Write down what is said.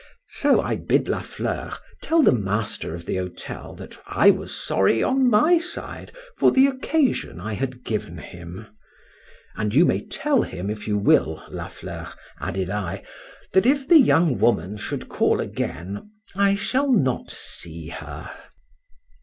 —So I bid La Fleur tell the master of the hotel, that I was sorry on my side for the occasion I had given him;—and you may tell him, if you will, La Fleur, added I, that if the young woman should call again, I shall not see her.